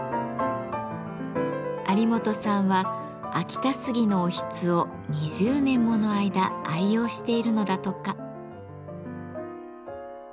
有元さんは秋田杉のおひつを２０年もの間愛用しているのだとか。